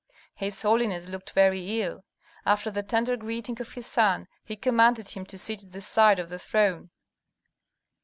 His holiness looked very ill. After the tender greeting of his son, he commanded him to sit at the side of the throne.